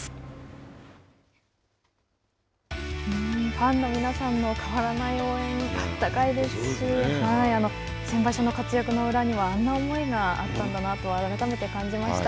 ファンの皆さんの変わらない応援、あったかいですし、先場所の活躍の裏にはあんな思いがあったんだなと改めて感じました。